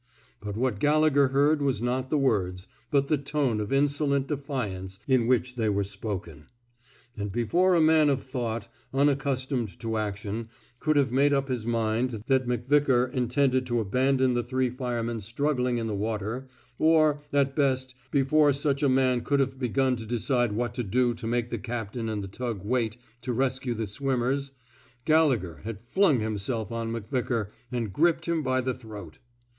But what Gallegher heard was not the words, but the tone of in solent defiance in which they were spoken; and before a man of thought, unaccustomed to action, could have made up his mind that McVickar intended to abandon the three fire men struggling in the water — or, at best, before such a man could have begun to decide what to do to make the captain and the tug wait to rescue the swimmers — Gallegher had flung himself on McVickar, and gripped him by the throat.